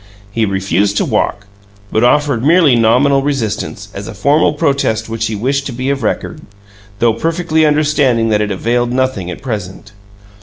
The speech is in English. He refused to walk, but offered merely nominal resistance, as a formal protest which he wished to be of record, though perfectly understanding that it availed nothing at present.